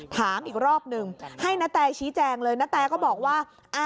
ถามอีกรอบหนึ่งให้นาแตชี้แจงเลยณแตก็บอกว่า